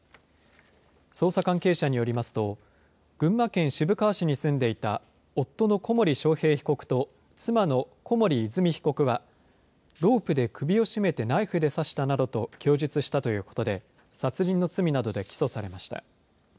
捜査関係者によりますと、群馬県渋川市に住んでいた夫の小森章平被告と妻の小森和美被告は、ロープで首を絞めてナイフで刺したなどと供述したということで、殺人の罪などで起訴されました。